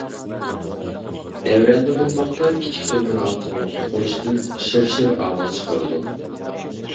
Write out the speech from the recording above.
تەۋرەنمە دۇمباقتا كىچىك تۆمۈر ھالقىنىڭ سوقۇلۇشىدىن «شىر-شىر» ئاۋاز چىقىرىدۇ.